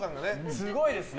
すごいですね。